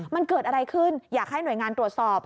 มันเกิดอะไรขึ้นอยากให้หน่วยงานตรวจสอบ